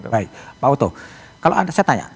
baik pak oto kalau saya tanya